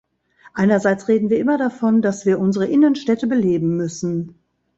Einerseits reden wir immer davon, dass wir unsere Innenstädte beleben müssen.